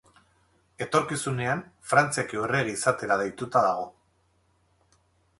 Etorkizunean Frantziako errege izatera deituta dago.